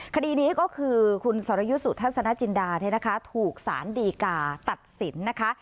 คดีนี้ก็คือคุณสรยุทธสนจินดาเนี่ยนะคะถูกสารดีกาตัดสินนะคะ